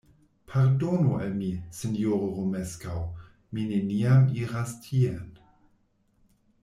Pardonu al mi, sinjoro Romeskaŭ; mi neniam iras tien.